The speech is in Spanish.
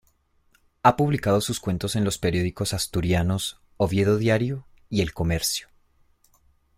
Ha publicado sus cuentos en los periódicos asturianos "Oviedo Diario" y "El Comercio".